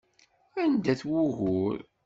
Anda-t wugur?